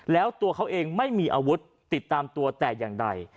แล้วตัวเขาเองไม่มีอาวุธติดตามตัวแต่อย่างใด